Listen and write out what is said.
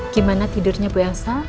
gimana tidurnya bu elsa